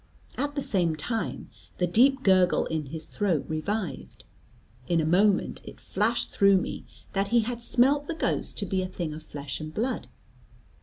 At the same time, the deep gurgle in his throat revived. In a moment, it flashed through me that he had smelt the ghost to be a thing of flesh and blood.